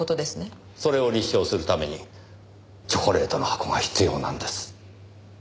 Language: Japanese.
それを立証するためにチョコレートの箱が必要なんです。